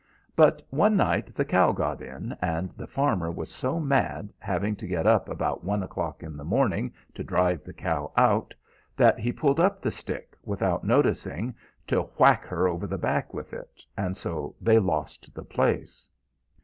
But one night the cow got in, and the farmer was so mad, having to get up about one o'clock in the morning to drive the cow out, that he pulled up the stick, without noticing, to whack her over the back with it, and so they lost the place.